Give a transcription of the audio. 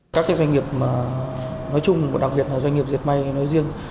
các doanh nghiệp nói chung và đặc biệt là doanh nghiệp diệt may nói riêng